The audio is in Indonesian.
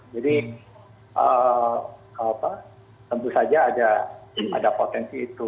jadi tentu saja ada potensi itu